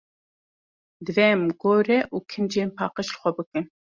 Divê em gore û kincên paqij li xwe bikin.